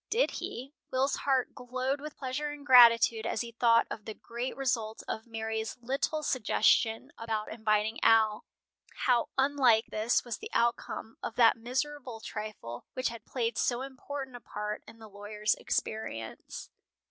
Did he? Will's heart glowed with pleasure and gratitude as he thought of the great result of Mary's little suggestion about inviting Al. How unlike this was the outcome of that miserable trifle which had played so important a part in the lawyer's experience.